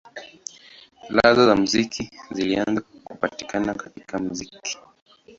Ladha za muziki zilianza kupatikana katika muziki.